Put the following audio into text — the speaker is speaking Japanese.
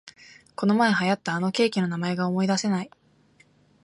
このまえ流行ったあのケーキの名前が思いだせない